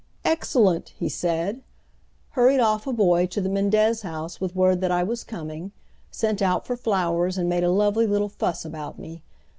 "Excellent," he said, hurried off a boy to the Mendez house with word that I was coming, sent out for flowers and made a lovely little fuss about me.